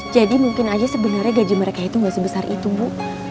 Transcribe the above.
jadi mungkin aja sebenarnya gaji mereka itu nggak sebesar itu bu